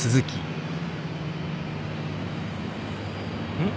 うん？